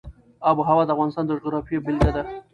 آب وهوا د افغانستان د جغرافیې یوه بېلګه ده.